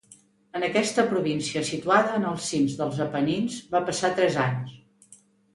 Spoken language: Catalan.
En aquesta província situada en els cims dels Apenins va passar tres anys.